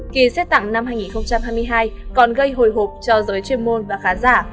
kỳ xét tặng năm hai nghìn hai mươi hai còn gây hồi hộp cho giới chuyên môn và khán giả